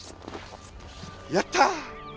やった！